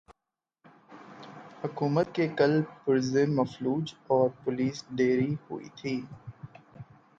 حکومت کے کل پرزے مفلوج اور پولیس ڈری ہوئی تھی۔